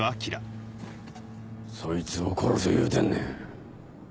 そいつを殺せ言うてんねん。